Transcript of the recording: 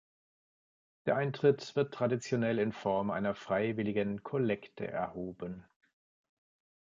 Der Eintritt wird traditionell in Form einer freiwilligen Kollekte erhoben.